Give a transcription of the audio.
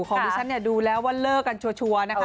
ของดิฉันเนี่ยดูแล้วว่าเลิกกันชัวร์นะคะ